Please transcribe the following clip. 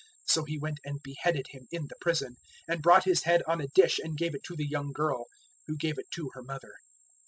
So he went and beheaded him in the prison, 006:028 and brought his head on a dish and gave it to the young girl, who gave it to her mother.